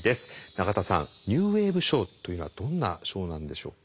永田さんニューウェーブ賞というのはどんな賞なんでしょうか？